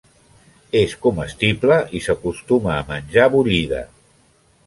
És comestible i s'acostuma a menjar bullida.